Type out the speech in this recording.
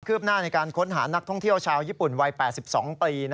หน้าในการค้นหานักท่องเที่ยวชาวญี่ปุ่นวัย๘๒ปี